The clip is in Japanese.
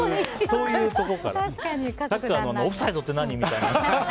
サッカーのオフサイドって何？みたいな。